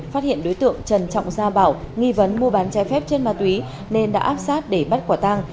phát hiện đối tượng trần trọng gia bảo nghi vấn mua bán trái phép trên ma túy nên đã áp sát để bắt quả tăng